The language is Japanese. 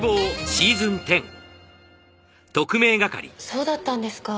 そうだったんですか。